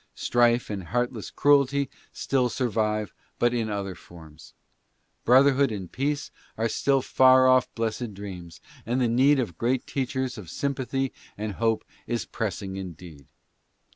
St:::~e and heartless cruelty still survive, but in other forms. Brotherhood and peace are still far off blessed dreams, and the need of great teachers of sym pathy and hope is pressing indeed.